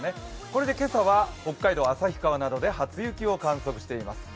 これで今朝は北海道・旭川などで初雪を観測しています。